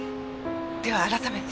では改めて。